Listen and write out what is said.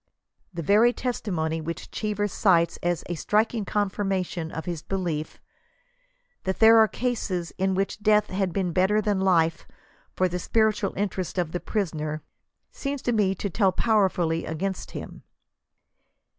The very testimony which Cheever cites as "a striking con 21 firmation^' of his belief '* that there are cases in which death had been better than life for the spiritual interests of the priso ner," seems to me to tell powerfully against him.